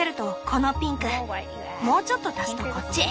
もうちょっと足すとこっち。